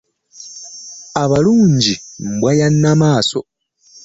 Abalunji mbwa ya Nnamasole .